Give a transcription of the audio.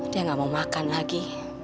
dia nggak mau makan lagi